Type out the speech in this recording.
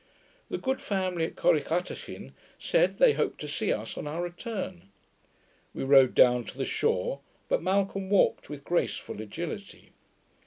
The good family at Corrichatachin said, they hoped to see us on our return. We rode down to the shore; but Malcolm walked with graceful agility.